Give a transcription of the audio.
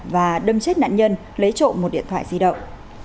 và đâm chết nạn nhân lấy trộm một điện thoại di động